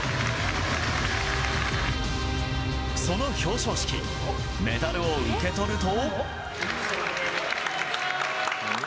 その表彰式、メダルを受け取ると。